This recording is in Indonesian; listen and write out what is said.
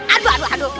aduh aduh aduh